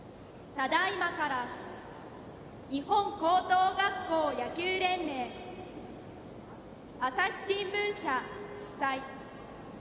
ただいまから日本高等学校野球連盟朝日新聞社主催